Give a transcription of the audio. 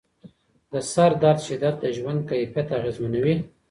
د سردرد شدت د ژوند کیفیت اغېزمنوي.